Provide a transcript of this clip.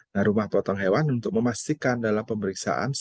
nah rumah potong hewan untuk memastikan dalam pemeriksaan